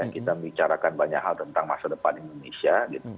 kita membicarakan banyak hal tentang masa depan indonesia